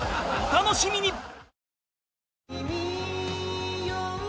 お楽しみに